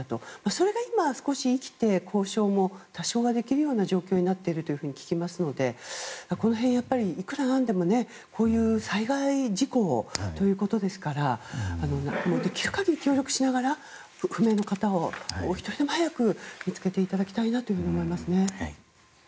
それが今、少し生きて交渉も多少はできるような状況になっていると聞きますのでこの辺、いくらなんでもこういう災害事故ということですからできる限り協力しながら行方不明の方をお一人でも早く見つけていただきたいなと思いますね。